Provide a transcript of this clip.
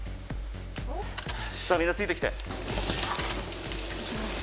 さぁみんなついて来て。